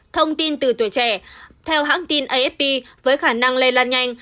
thông tin từ tuổi trẻ theo hãng tin afp với khả năng lây lan nhanh